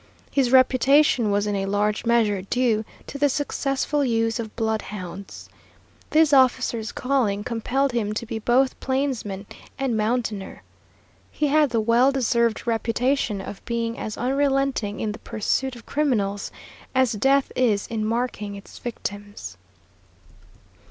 His reputation was in a large measure due to the successful use of bloodhounds. This officer's calling compelled him to be both plainsman and mountaineer. He had the well deserved reputation of being as unrelenting in the pursuit of criminals as death is in marking its victims.